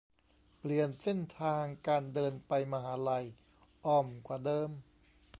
เปลี่ยนเส้นทางการเดินไปมหาลัย อ้อมกว่าเดิม